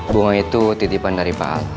bunga itu titipan dari pak al